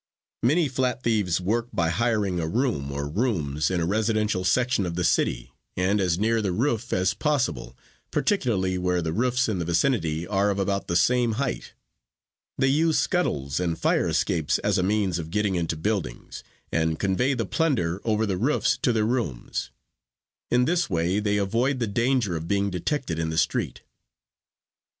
"Many flat thieves work by hiring a room or rooms in a residential section of the city and as near the roof as possible, particularly where the roofs in the vicinity are of about the same height. They use scuttles and fire escapes as a means of getting into buildings and convey the plunder over the roofs to their rooms. In this way they avoid the danger of being detected in the street.